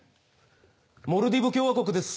モルディブ共和国です。